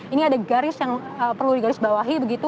ini ada garis yang perlu digarisbawahi begitu